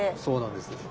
そうなんです。